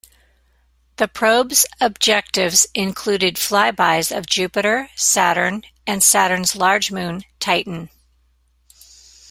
The probe's objectives included flybys of Jupiter, Saturn and Saturn's large moon, Titan.